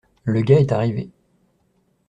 Le gars est arrivé.